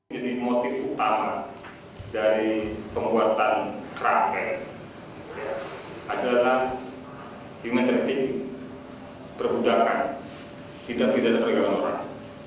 jadi motif utama dari pembuatan kerangkeng adalah dimetretik perbudakan tidak pidana pergangan orang